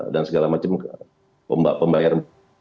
dan segala macam pembayar